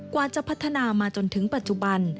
กว่าจะพัฒนามาจนถึงปัจจุบัน